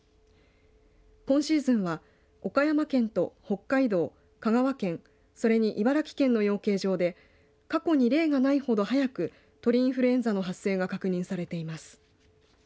今シーズンは岡山県と北海道、香川県それに茨城県の養鶏場で過去に例がないほど早く鳥インフルエンザの発生が確認されています。